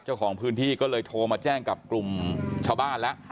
เจ้าของพื้นที่ก็เลยโทรมาแจ้งกับกลุ่มชาวบ้านแล้ว